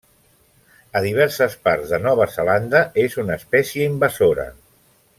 A diverses parts de Nova Zelanda és una espècie invasora.